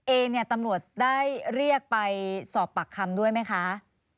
เองเนี่ยตำรวจได้เรียกไปสอบปากคำด้วยไหมคะ